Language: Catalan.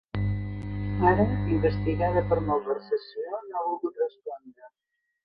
Ara, investigada per malversació, no ha volgut respondre.